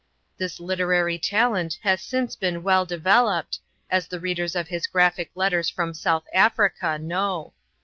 This literary talent has since been well developed, as the readers of his graphic letters from South Africa know.